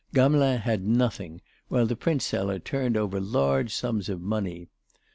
Gamelin had nothing, while the printseller turned over large sums of money.